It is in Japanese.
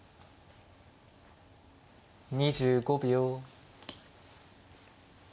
２５秒。